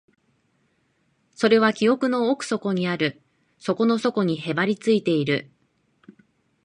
それは記憶の奥底にある、底の底にへばりついている